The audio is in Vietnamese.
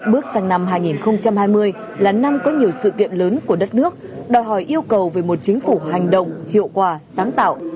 bước sang năm hai nghìn hai mươi là năm có nhiều sự kiện lớn của đất nước đòi hỏi yêu cầu về một chính phủ hành động hiệu quả sáng tạo